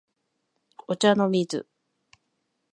お茶の水